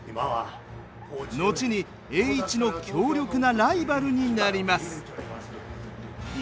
後に栄一の強力なライバルになります。